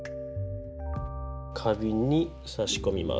花瓶に挿し込みます。